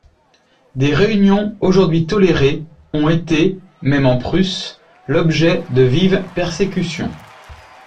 Des réunions aujourd'hui tolérées ont été, même en Prusse, l'objet de vives persécutions.